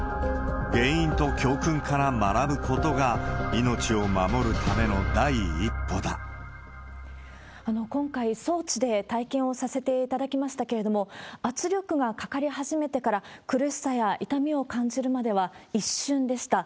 原因と教訓から学ぶことが、今回、装置で体験をさせていただきましたけれども、圧力がかかり始めてから苦しさや痛みを感じるまでは一瞬でした。